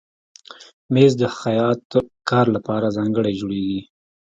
مېز د خیاط کار لپاره ځانګړی جوړېږي.